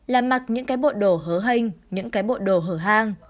là mặc những cái bộ đồ hớ hình những cái bộ đồ hở hang